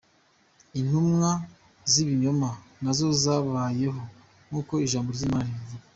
Intumwa z’ibinyoma na zo zabayeho nk’uko Ijambo ry’Imana ribivuga.